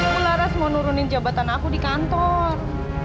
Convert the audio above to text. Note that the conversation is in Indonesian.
bu laras mau nurunin jabatan aku di kantor